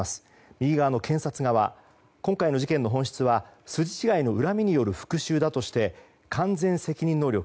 右側の検察側今回の事件の本質は筋違いの恨みによる復讐だとして完全責任能力